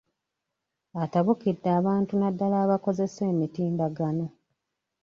Atabukidde abantu naddala abakozesa emitimbagano.